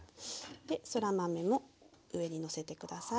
でそら豆も上にのせて下さい。